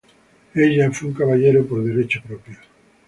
Ella fue un caballero por derecho propio.